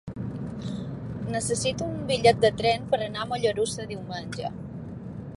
Necessito un bitllet de tren per anar a Mollerussa diumenge.